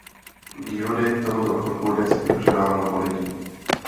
Výhody tohoto kroku dnes využívá mnoho lidí.